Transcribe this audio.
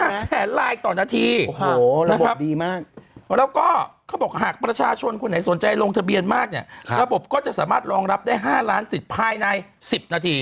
แสนลายต่อนาทีโอ้โหนะครับดีมากแล้วก็เขาบอกหากประชาชนคนไหนสนใจลงทะเบียนมากเนี่ยระบบก็จะสามารถรองรับได้๕ล้านสิทธิ์ภายใน๑๐นาที